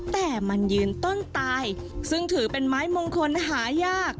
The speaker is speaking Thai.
แต่มันยืนต้นตายซึ่งถือเป็นไม้มงคลหายาก